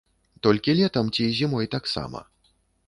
Толькі летам, ці зімой таксама?